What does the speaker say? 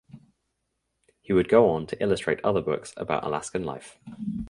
He would go on to illustrate other books about Alaskan life.